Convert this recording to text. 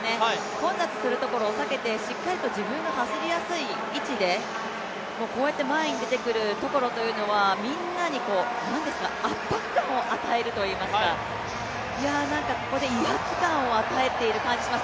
混雑する位置を避けて、しっかりと自分の走りやすい位置でこうやって前に出てくるところというのはみんなに圧迫感を与えるといいますか、ここで威圧感を与えている感じがします。